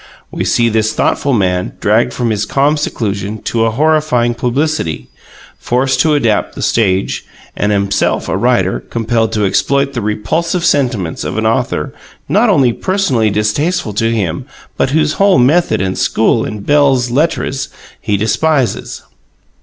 We see this thoughtful man dragged from his calm seclusion to a horrifying publicity; forced to adopt the stage and, himself a writer, compelled to exploit the repulsive sentiments of an author not only personally distasteful to him but whose whole method and school in belles lettres he despises.